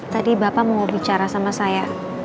tadi bapak mau bicara sama saya